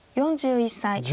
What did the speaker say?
４１歳。